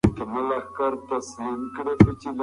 تکنالوژي د ژبي په زده کړه کي مرسته کوي.